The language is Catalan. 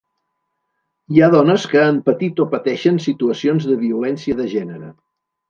Hi ha dones que han patit o pateixen situacions de violència de gènere.